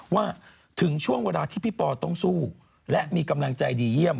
ว่าถึงช่วงเวลาที่พี่ปอต้องสู้และมีกำลังใจดีเยี่ยม